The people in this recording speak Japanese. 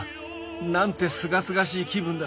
何てすがすがしい気分だ